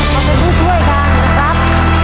มาเป็นผู้ช่วยกันนะครับ